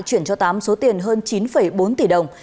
chuyển cho tám số tiền hơn chín bốn tỷ đồng